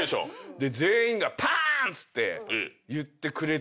で全員が「パンツ！」って言ってくれて。